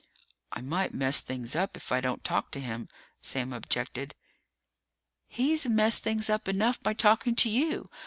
"I might mess things up if I don't talk to him," Sam objected. "He's messed things up enough by talking to you!